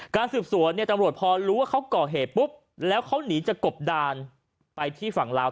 การสืบสวนเนี่ยตำรวจพอรู้ว่าเขาก่อเหตุปุ๊บแล้วเขาหนีจะกบดานไปที่ฝั่งลาว